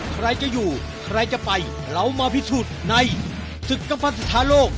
ใครจะอยู่ใครจะไปเรามาพิสูจน์ในศึกกำฟันสุดท้ายโลก